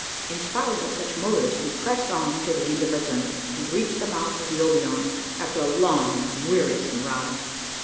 Inspired by such motives, we pressed on to the end of our journey; and reached the mouth of the Obion, after a long and wearisome ride.